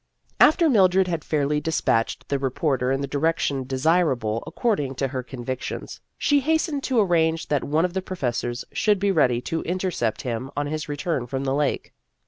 After Mildred had fairly despatched the reporter in the direction desirable accord ing to her convictions, she hastened to ar range that one of the professors should be ready to intercept him on his return from the lake.